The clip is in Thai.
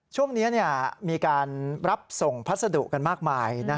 ช่วงนี้มีการรับส่งพัสดุกันมากมาย